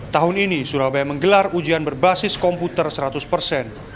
tahun ini surabaya menggelar ujian berbasis komputer seratus persen